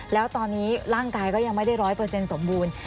แล้วตอนนี้ร่างกายก็ยังไม่ได้๑๐๐สมบูรณ์